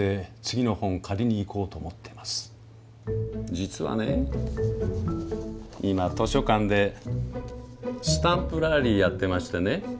実はね今図書館でスタンプラリーやってましてね